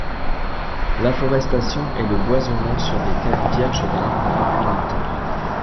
L'afforestation est le boisement sur des terres vierges d'arbres depuis longtemps.